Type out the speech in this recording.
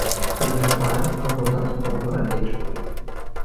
Prin urmare, am votat în favoarea textului.